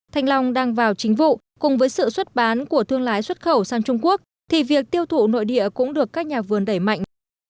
thanh long đang vào chính vụ cùng với sự xuất bán của thương lái xuất khẩu sang trung quốc thì việc tiêu thụ nội địa cũng được các nhà vườn đẩy mạnh